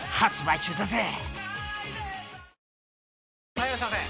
・はいいらっしゃいませ！